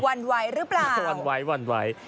วันไหวหรือเปล่าวันไหว